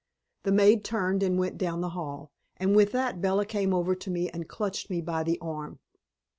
The maid turned and went down the hall, and with that Bella came over to me and clutched me by the arm.